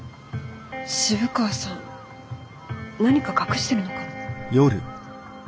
渋川さん何か隠してるのかも。